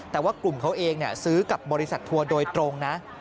แต่ว่ากลุ่มเขาเองซื้อกับบริษัททัวร์โดยตรงนะ